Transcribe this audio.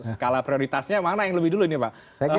skala prioritasnya mana yang lebih dulu nih pak